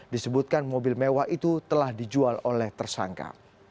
disebutkan mobil mewah itu telah dijual oleh tersangka